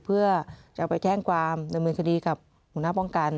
เพื่อจะไปแช่งความในมือคดีกับหัวหน้าป้องกัน